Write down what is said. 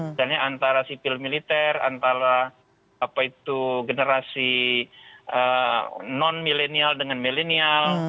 misalnya antara sipil militer antara generasi non millenial dengan millennial